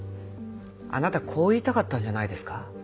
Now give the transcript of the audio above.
あなたこう言いたかったんじゃないですか？